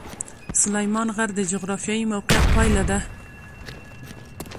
سلیمان غر د جغرافیایي موقیعت پایله ده.